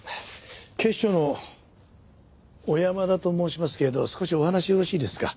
警視庁の小山田と申しますけれど少しお話よろしいですか？